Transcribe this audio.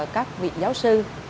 các vị giáo sư